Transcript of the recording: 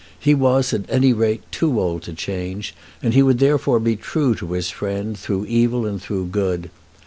He was, at any rate, too old to change, and he would therefore be true to his friend through evil and through good.